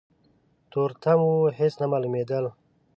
تورتم و هيڅ نه مالومېدل.